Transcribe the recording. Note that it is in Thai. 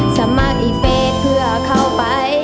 สมัครไอ้เฟสเพื่อเข้าไป